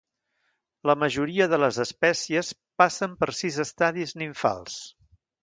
La majoria de les espècies passen per sis estadis nimfals.